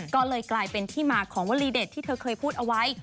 ก็เลยกลายเป็นที่มาของวลีเด็ดที่เธอเคยพูดเอาไว้